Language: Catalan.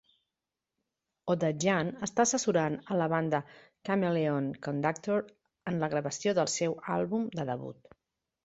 Odadjian està assessorant a la banda Chameleon Conductor en la gravació del seu àlbum de debut.